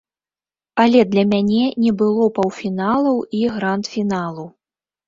Але для мяне не было паўфіналаў і гранд-фіналу.